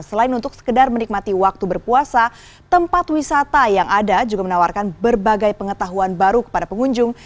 selain untuk sekedar menikmati waktu berpuasa tempat wisata yang ada juga menawarkan berbagai pengetahuan baru kepada pengunjung